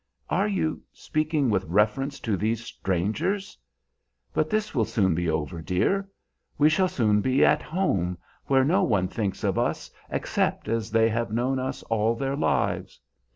"Are you speaking with reference to these strangers? But this will soon be over, dear. We shall soon be at home, where no one thinks of us except as they have known us all their lives.